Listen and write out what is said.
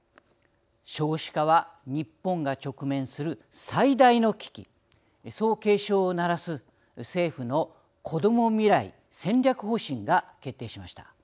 少子化は日本が直面する最大の危機そう警鐘を鳴らす政府のこども未来戦略方針が決定しました。